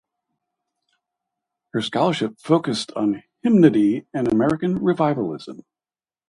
Her scholarship focused on hymnody and American revivalism.